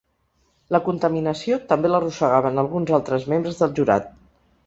La contaminació també l’arrossegaven alguns altres membres del jurat.